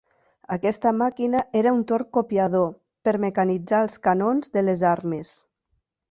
Aquesta màquina era un torn copiador, per mecanitzar els canons de les armes.